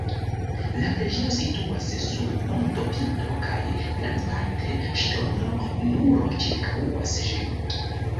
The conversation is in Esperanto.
La preĝejo situas sur montopinto kaj grandparte ŝtona muro ĉirkaŭas ĝin.